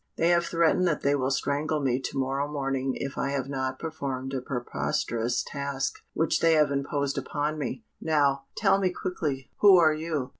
They have threatened that they will strangle me to morrow morning if I have not performed a preposterous task which they have imposed upon me. Now, tell me quickly, who are you?"